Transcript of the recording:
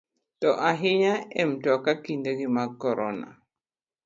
To ahinya e mtoka kinde gi mag korona.